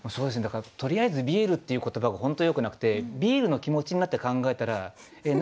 「とりあえずビール」っていう言葉が本当よくなくてビールの気持ちになって考えたら「何？